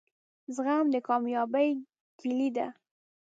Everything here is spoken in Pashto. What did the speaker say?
زغم دکامیابۍ کیلي ده